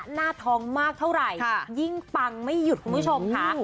หน้าท้องมากเท่าไหร่ยิ่งปังไม่หยุดคุณผู้ชมค่ะ